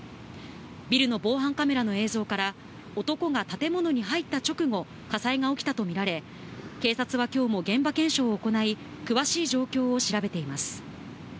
ビルの防犯カメラの映像から男が建物に入った直後、火災が起きたとみられ、警察は今日も現場検証を行い、詳しい状況を調べています。